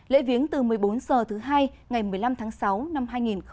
lễ viếng từ một mươi bốn h thứ hai ngày một mươi năm tháng sáu năm hai nghìn một mươi chín